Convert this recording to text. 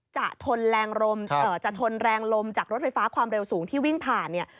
จะทนแรงลมจากรถไฟฟ้าความเร็วสูงที่วิ่งผ่านเนี่ย